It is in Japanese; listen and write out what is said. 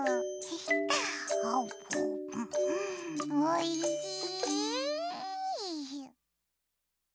おいしい！